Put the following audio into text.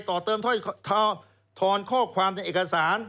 ต่อเติมทอนข้อความในเอกสาร